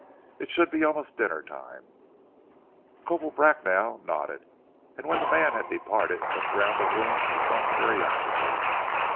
It should be almost dinner time." Corporal Bracknell nodded, and when the man had departed looked round the room with some curiosity.